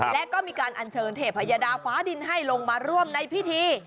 และก็มีการอัญเชิญเทพยดาฟ้าดินให้ลงมาร่วมในพิธี